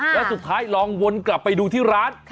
แล้วสุดท้ายลองวนกลับไปดูที่ร้าน